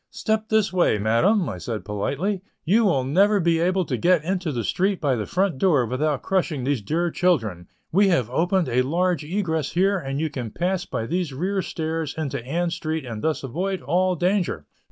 "Step this way, madam," said I politely, "you will never be able to get into the street by the front door without crushing these dear children. We have opened a large egress here and you can pass by these rear stairs into Ann Street and thus avoid all danger."